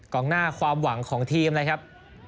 งหน้าความหวังของทีมนะครับ